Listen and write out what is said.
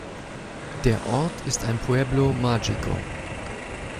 Der Ort ist ein Pueblo Mágico.